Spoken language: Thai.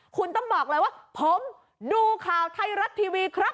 คุณต้องบอกเลยว่าผมดูข่าวไทยรัฐทีวีครับ